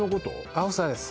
アオサです